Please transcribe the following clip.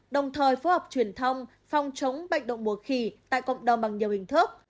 đồng thời phối hợp truyền thông phòng chống bệnh động mùa khỉ tại cộng đồng bằng nhiều hình thức